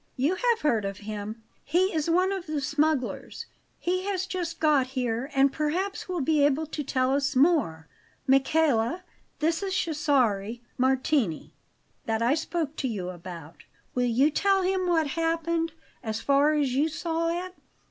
"You have heard of him; he is one of the smugglers. He has just got here, and perhaps will be able to tell us more. Michele, this is Cesare Martini, that I spoke to you about. Will you tell him what happened, as far as you saw it?"